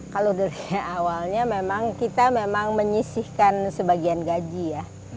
kalau dari awalnya memang kita memang menyisihkan sebagian gaji ya